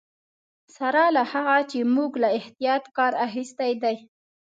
سره له هغه چې موږ له احتیاط کار اخیستی دی.